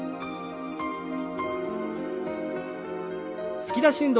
突き出し運動。